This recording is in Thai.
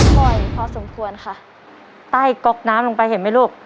บ่อยพอสมควรค่ะใต้ก๊อกน้ำลงไปเห็นไหมลูก